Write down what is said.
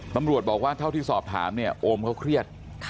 ตำรวจบอกว่าเท่าที่สอบถามเนี่ยโอมเขาเครียด